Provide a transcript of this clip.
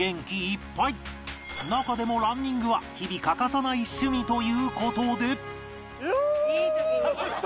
中でもランニングは日々欠かさない趣味という事で